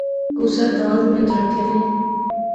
کُسے دانذ مہنج رکھےنے